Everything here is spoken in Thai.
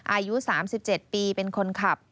อายุ๓๗ปีเป็นคนขับ